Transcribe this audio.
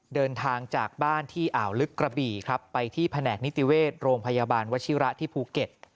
เดินทางจากบ้านที่อ่าวลึกกระบี่ครับไปที่แผนกนิติเวชโรงพยาบาลวชิระที่ภูเก็ต